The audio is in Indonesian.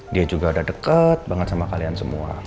dia juga udah deket banget sama kalian semua